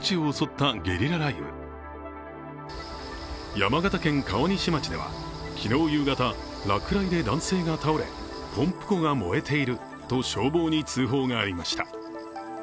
山形県川西町では昨日夕方落雷で男性が倒れ、ポンプ庫が燃えていると消防に通報がありました。